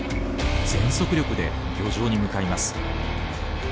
全速力で漁場に向かいます。